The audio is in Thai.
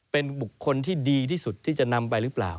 เป็นบุคคลที่ดีที่สุดที่จะนำไปหรือเปล่า